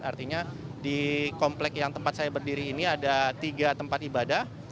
artinya di komplek yang tempat saya berdiri ini ada tiga tempat ibadah